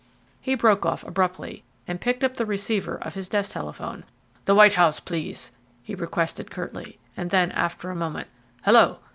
He broke off abruptly, and picked up the receiver of his desk telephone. "The White House, please," he requested curtly, and then, after a moment: "Hello!